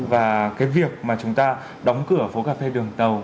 và cái việc mà chúng ta đóng cửa phố cà phê đường tàu